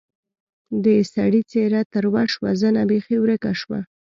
د سړي څېره تروه شوه زنه بېخي ورکه شوه.